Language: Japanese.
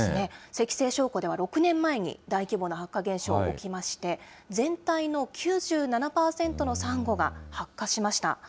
石西礁湖では６年前に大規模な白化現象起きまして、全体の９７％のサンゴが白化しました。